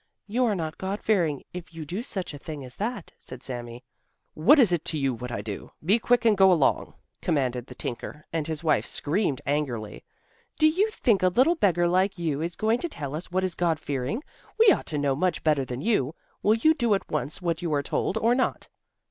You are not God fearing if you do such a thing as that," said Sami. "What is it to you, what I do? Be quick and go along!" commanded the tinker, and his wife screamed angrily: "Do you think a little beggar like you is going to tell us what is God fearing? We ought to know much better than you! Will you do at once what you are told, or not?"